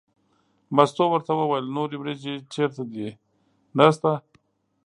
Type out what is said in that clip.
مستو ورته وویل نورې وریجې چېرته دي نشته.